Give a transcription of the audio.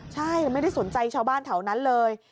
ใช่ไม่ได้สนใจชาวบ้านแถวนั้นเลย